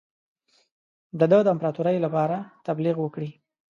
د ده د امپراطوری لپاره تبلیغ وکړي.